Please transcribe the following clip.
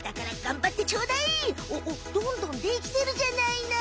どんどんできてるじゃないの。